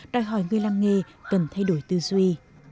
đòi hỏi người làm nghề cần thay đổi tư duy